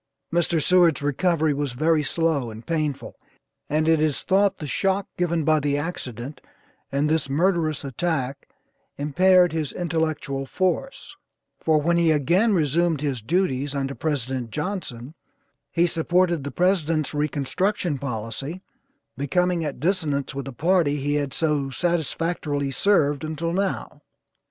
Mr. Seward's recovery was very slow and painful, and it is thought the shock given by the accident, and this murderous attack impaired his intellectual force, for when he again resumed his duties under President Johnson, he supported the President's reconstruction policy, becoming at dissonance with the party he had so satisfactorily served, until now.